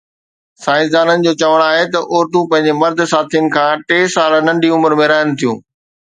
سائنسدانن جو چوڻ آهي ته عورتون پنهنجي مرد ساٿين کان ٽي سال ننڍي عمر ۾ رهن ٿيون